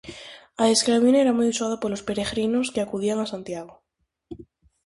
A esclavina era moi usada polos peregrinos que acudían a Santiago.